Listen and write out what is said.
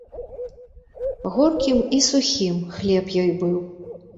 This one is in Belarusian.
Горкім і сухім хлеб ёй быў.